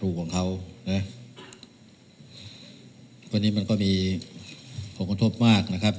สาธุผมเขานะอันนี้มันก็มีปกติทศพมากนะครับ